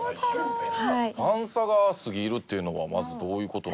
「ファンサが過ぎる」っていうのはまずどういう事なんですか？